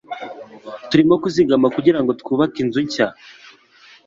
Turimo kuzigama kugirango twubake inzu nshya.